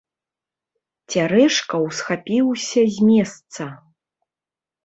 Цярэшка ўсхапіўся з месца.